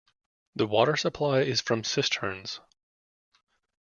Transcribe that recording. The water-supply is from cisterns.